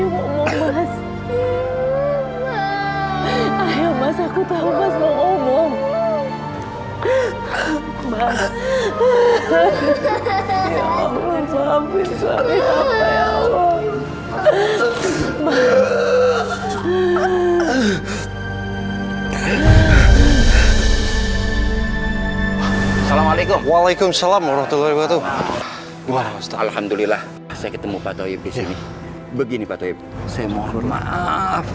waalaikumsalam warahmatullah alhamdulillah saya ketemu pak toib begini pak toib saya mohon maaf